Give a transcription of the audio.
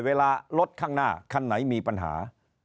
เวลารถข้างหน้าคันไหนมีปัญหา